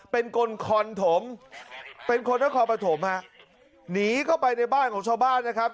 เป็นคนที่เขาขอประโถมฮะหนีเข้าไปในบ้านของชาวบ้านนะครับ